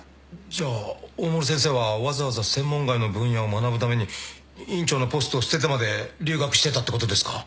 じゃあ大森先生はわざわざ専門外の分野を学ぶために院長のポストを捨ててまで留学してたってことですか？